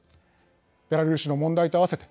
ベラルーシの問題と併せて